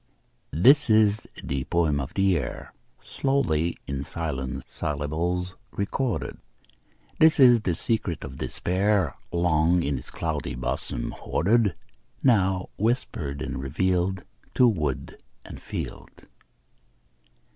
This is the poem of the air, Slowly in silent syllables recorded; This is the secret of despair, Long in its cloudy bosom hoarded, Now whispered and revealed To wood and field.